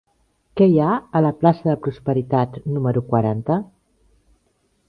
Què hi ha a la plaça de Prosperitat número quaranta?